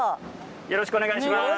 よろしくお願いします。